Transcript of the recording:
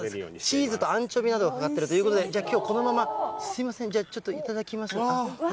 チーズとアンチョビなどがかかっているということで、じゃあきょう、このまますみません、じゃあちょっと頂きます。